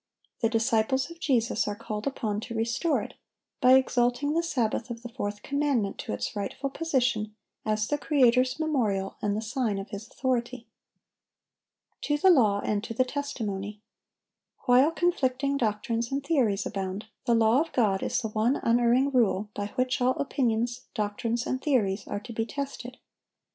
The disciples of Jesus are called upon to restore it, by exalting the Sabbath of the fourth commandment to its rightful position as the Creator's memorial and the sign of His authority. "To the law and to the testimony." While conflicting doctrines and theories abound, the law of God is the one unerring rule by which all opinions, doctrines, and theories are to be tested.